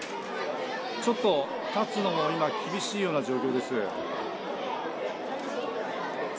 ちょっと立つのが今、厳しい状況です。